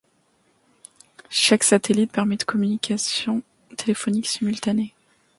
Chaque satellite permet communications téléphoniques simultanées.